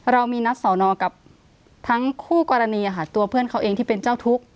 เรามีนัดสอนอกับทั้งคู่กรณีตัวเพื่อนเขาเองที่เป็นเจ้าทุกข์